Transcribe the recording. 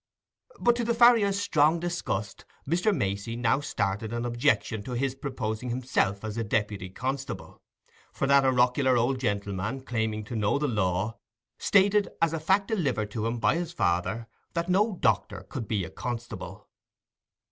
But to the farrier's strong disgust, Mr. Macey now started an objection to his proposing himself as a deputy constable; for that oracular old gentleman, claiming to know the law, stated, as a fact delivered to him by his father, that no doctor could be a constable.